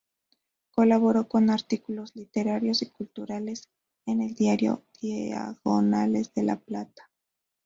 Colaboró con artículos literarios y culturales en el diario Diagonales de La Plata.